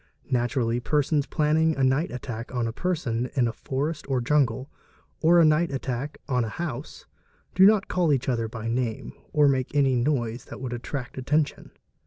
Naturally persons planning a night attack on a person in a forest or jungle, or" night attack on a house, do not call to each other by name or make an noise that would attract attention.